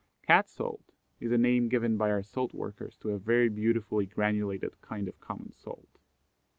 Cat salt is a name given by our salt workers to a very beautifully granulated kind of common salt.